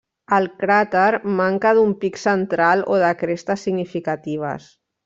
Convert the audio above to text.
El cràter manca d'un pic central o de crestes significatives.